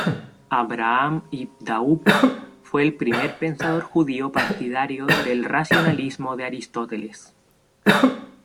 Abraham ibn Daud fue el primer pensador judío partidario del racionalismo de Aristóteles.